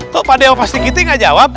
kok pak de sama pak stigiti nggak jawab